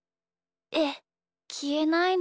えっきえないの？